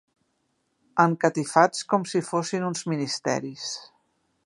Encatifats com si fossin uns ministeris